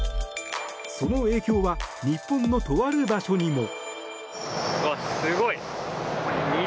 その影響は日本のとある場所にも。